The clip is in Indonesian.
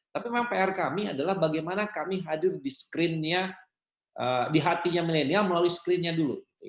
tapi memang pr kami adalah bagaimana kami hadir di screen nya di hatinya milenial melalui screen nya dulu